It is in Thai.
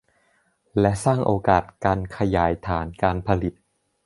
และสร้างโอกาสการขยายฐานการผลิต